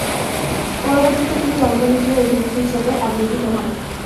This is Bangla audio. পরবর্তীতে তিনি লন্ডনে গিয়ে অভিনেতা হিসেবে আবির্ভূত হন।